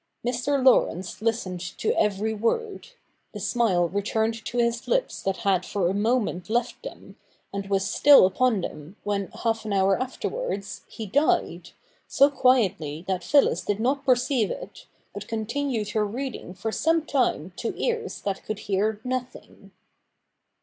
Mr. Laurence listened to every word : the smile returned to his lips that had for a moment left them, and was still upon them when, half an hour afterwards, he died, so quietly that Phyllis did not perceive it, but continued her reading for some time to ears that could hear nothing.